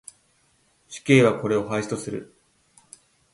死刑はこれを廃止する。